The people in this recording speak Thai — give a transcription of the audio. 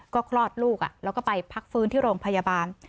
ก็คลอดลูกแล้วก็ไปพักฟื้นที่โรงพยาบาล